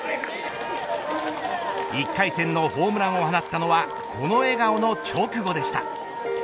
１回戦のホームランを放ったのはこの笑顔の直後でした。